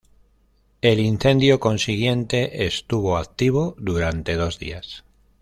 El incendio consiguiente estuvo activo durante dos días.